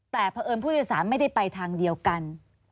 แต่เพราะเอิญผู้โดยสารไม่ได้ไปทางเดียวกัน